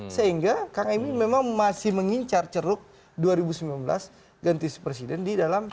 sehingga kang emil memang masih mengincar ceruk dua ribu sembilan belas ganti presiden di dalam